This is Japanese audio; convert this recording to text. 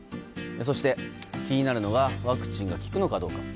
そして気になるのがワクチンが効くのかどうか。